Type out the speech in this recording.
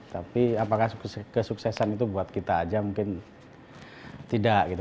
tapi apakah kesuksesan itu buat kita aja mungkin tidak gitu